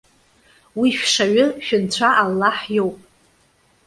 Уи шәшаҩы, шәынцәа Аллаҳ иоуп.